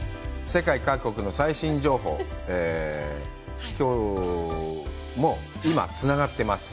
世界各国の最新情報、きょうも、今、つながってます。